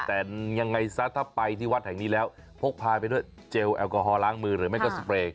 แต่ยังไงซะถ้าไปที่วัดแห่งนี้แล้วพกพาไปด้วยเจลแอลกอฮอลล้างมือหรือไม่ก็สเปรย์